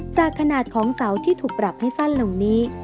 จากขนาดของเสาที่ถูกปรับให้สั้นลงนี้